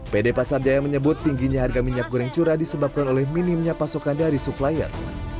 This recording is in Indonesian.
pd pasar jaya menyebut tingginya harga minyak goreng curah disebabkan oleh minimnya pasokan dari supplier